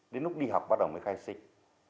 đến lúc đi học bắt đầu mới khai sinh